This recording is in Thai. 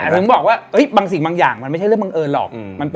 ถึงบอกว่าบางสิ่งบางอย่างมันไม่ใช่เรื่องบังเอิญหรอก